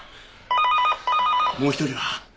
もう一人は？